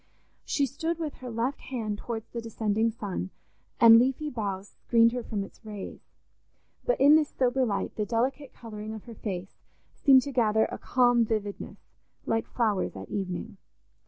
She stood with her left hand towards the descending sun, and leafy boughs screened her from its rays; but in this sober light the delicate colouring of her face seemed to gather a calm vividness, like flowers at evening.